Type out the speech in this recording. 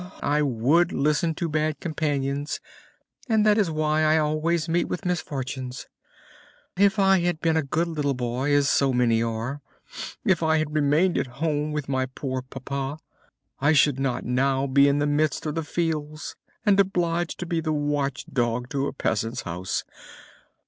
I would listen to bad companions, and that is why I always meet with misfortunes. If I had been a good little boy, as so many are; if I had remained at home with my poor papa, I should not now be in the midst of the fields and obliged to be the watch dog to a peasant's house.